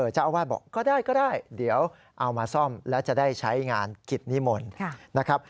เจ้าอาวาสบอกก็ได้ก็ได้เดี๋ยวเอามาซ่อมแล้วจะได้ใช้งานกิจนิมนต์นะครับ